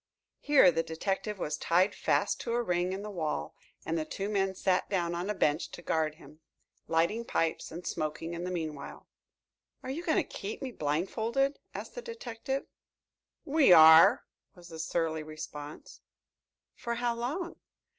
Here the detective was tied fast to a ring in the wall and the two men sat down on a bench to guard him, lighting pipes and smoking in the meanwhile. "Are you going to keep me blindfolded?" asked the detective. "We are," was the surly response. "For how long?"